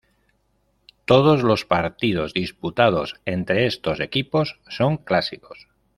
Todos los partidos disputados entre estos equipos son clásicos.